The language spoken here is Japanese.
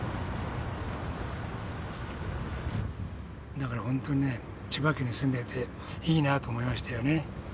だからホントにね千葉県に住んでていいなと思いましたよね。